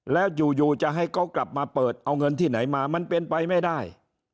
แล้วอยู่จะให้เขากลับมาเปิดเอาเงินที่ไหนมามันเป็นไปไม่ได้